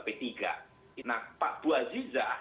p tiga nah pak bu azizah